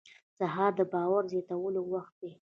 سهار د باور زیاتولو وخت دی.